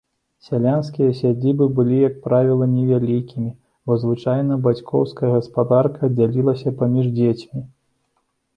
Сялянскія сядзібы былі як правіла невялікімі, бо звычайна бацькоўская гаспадарка дзялілася паміж дзецьмі.